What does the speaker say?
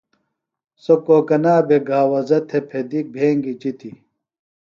سوۡ کوکنا بھےۡ گھاوزہ تھےۡ پھدِیۡ بھینگیۡ جِتیۡ۔